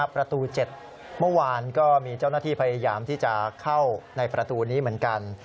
ประตู๗เมื่อวานก็มีเจ้าหน้าที่พยายามที่จะเข้าในประตูนี้เหมือนกัน